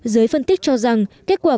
giới phân tích cho rằng kết quả